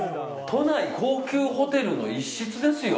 都内高級ホテルの一室ですよ